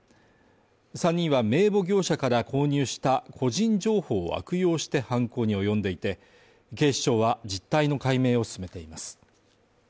３人は名簿業者から購入した個人情報を悪用して犯行に及んでいて、警視庁は、実態の解明を進めています。